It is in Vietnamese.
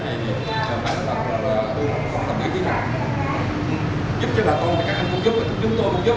giúp cho bà con các em cũng giúp chúng tôi cũng giúp